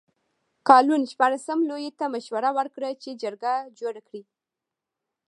کالون شپاړسم لویي ته مشوره ورکړه چې جرګه جوړه کړي.